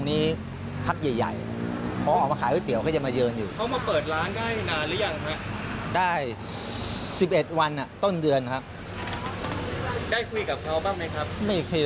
อีกคนเดียว